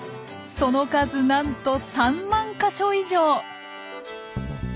その数なんと３万か所以上！